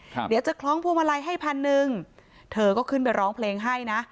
เดี๋ยวจะคล้องพวงมาลัยให้พันหนึ่งเธอก็ขึ้นไปร้องเพลงให้นะ